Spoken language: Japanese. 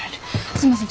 すいません